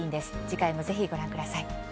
次回もぜひご覧ください。